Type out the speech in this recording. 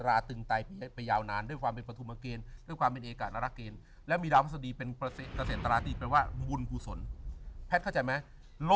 ดวงแผดในพื้นดวงชะตาเดิมมันแน่น